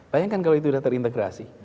bayangkan kalau itu sudah terintegrasi